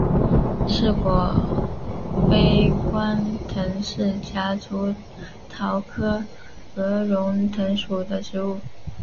翅果杯冠藤是夹竹桃科鹅绒藤属的植物。